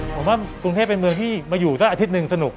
ผมว่ากรุงเทพเป็นเมืองที่มาอยู่สักอาทิตย์หนึ่งสนุก